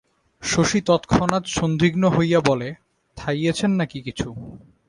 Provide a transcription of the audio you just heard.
শশী তৎক্ষণাৎ সন্দিগ্ধ হইয়া বলে, থাইয়েছেন নাকি কিছু?